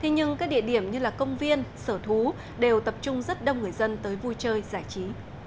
nhưng các địa điểm như công viên sở thú đều tập trung rất đông người dân tới vui chơi giải trí